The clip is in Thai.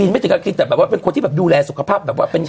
ไม่ถึงการเลี้ยงก็เป็นคนที่ดูแลสุขภาพ